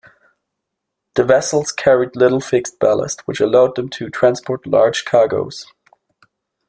The vessels carried little fixed ballast, which allowed them to transport large cargoes.